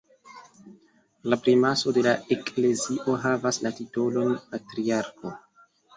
La primaso de la eklezio havas la titolon patriarko.